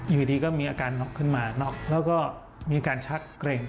อยู่ดีก็มีอาการน็อกขึ้นมาน็อกแล้วก็มีการชักเกร็ง